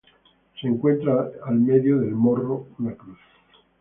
Se encuentra al medio del morro una cruz.